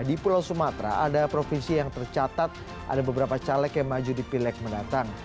di pulau sumatera ada provinsi yang tercatat ada beberapa caleg yang maju di pileg mendatang